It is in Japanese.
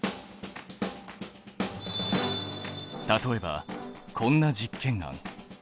例えばこんな実験案。